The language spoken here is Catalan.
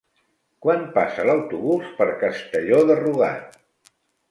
Quan passa l'autobús per Castelló de Rugat?